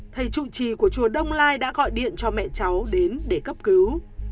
thầy trụ trì của chùa đông lai đã gọi điện cho mẹ cháu đến để cấp cứu